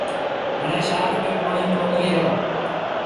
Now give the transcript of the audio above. هڻيَ شاخ ۾ پوڻِي ڪونِي هيَ۔